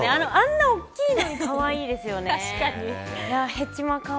あんな大きいのにかわいいですよね。